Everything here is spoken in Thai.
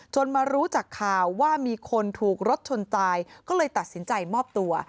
มารู้จากข่าวว่ามีคนถูกรถชนตายก็เลยตัดสินใจมอบตัว